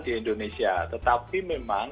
di indonesia tetapi memang